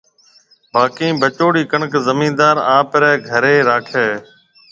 باڪِي بچوڙِي ڪڻڪ زميندار آپريَ گهريَ راکَي هيَ۔